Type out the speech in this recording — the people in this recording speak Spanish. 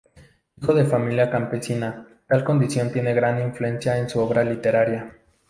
Hijo de familia campesina, tal condición tiene gran influencia en su obra literaria.